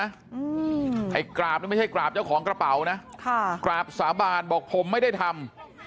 ไอ้กราบนี่ไม่ใช่กราบเจ้าของกระเป๋านะค่ะกราบสาบานบอกผมไม่ได้ทำ